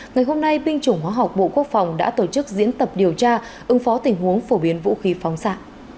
ngày hôm nay binh chủng hóa học bộ quốc phòng đã tổ chức diễn tập điều tra ứng phó tình huống phổ biến vũ khí phóng xạ